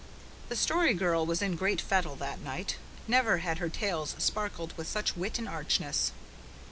The Story Girl was in great fettle that night. Never had her tales sparkled with such wit and archness.